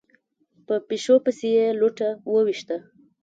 په پيشو پسې يې لوټه وويشته.